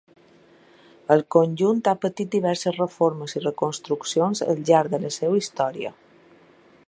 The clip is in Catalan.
El conjunt ha patit diverses reformes i reconstruccions al llarg de la seua història.